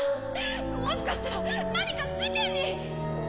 もしかしたら何か事件に！